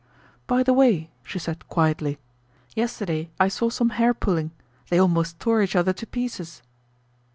"By the way," she said quietly, "yesterday I saw some hair pulling. They almost tore each other to pieces."